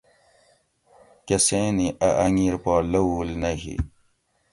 کۤسیں نی اۤ اۤنگیر پا لوؤل نہ ھی